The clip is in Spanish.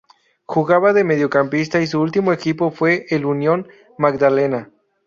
Jugaba de mediocampista y su ultimo equipo fue el Unión Magdalena.